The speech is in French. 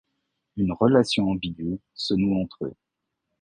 Une relation ambiguë se noue entre eux.